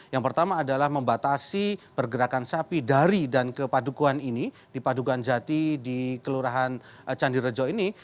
yang pertama adalah membatasi pergerakan sapi dari dan ke padukuhan ini di padukuhan jati di kelurahan candi rejo ini